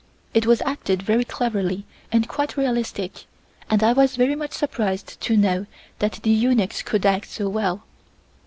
It was acted very cleverly and quite realistic, and I was very much surprised to know that the eunuchs could act so well.